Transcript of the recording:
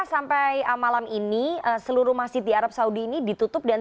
sejak awal bulan ramadan masjid al kharam sudah ditutup semua